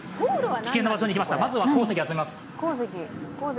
危険な場所に来ました、まずは鉱石を集めます。